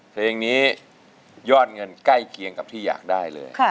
เพลงนี้ยอดเงินใกล้เคียงกับที่อยากได้เลย